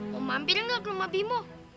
mau mampir gak ke rumah bimo